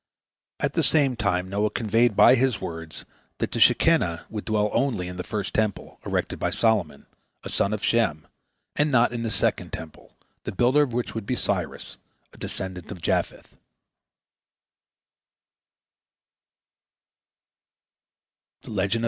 At the same time Noah conveyed by his words that the Shekinah would dwell only in the first Temple, erected by Solomon, a son of Shem, and not in the second Temple, the builder of which would be Cyrus, a descendant of Japheth.